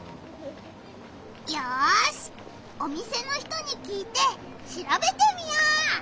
よしお店の人にきいてしらべてみよう！